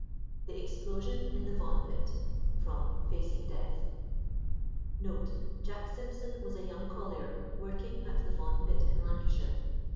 *THE EXPLOSION IN THE VAUGHAN PIT.* *FROM "FACING DEATH."* [Jack Simpson was a young collier working at the Vaughan pit in Lancashire.